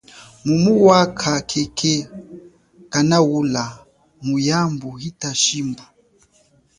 Mulonga wakha khekhe kanaula miawu hita shimbu?